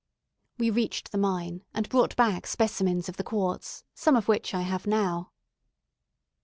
We reached the mine, and brought back specimens of the quartz, some of which I have now.